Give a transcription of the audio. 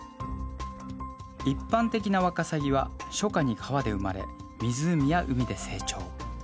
一般的なわかさぎは初夏に川で生まれ湖や海で成長。